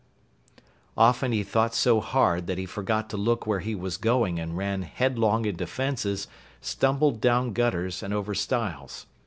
Often he thought so hard that he forgot to look where he was going and ran headlong into fences, stumbled down gutters, and over stiles.